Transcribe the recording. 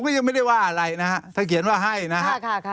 ผมก็ยังไม่ได้ว่าอะไรนะครับถ้าเขียนว่าให้นะครับ